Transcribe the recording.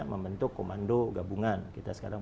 membentuk komando gabungan kita sekarang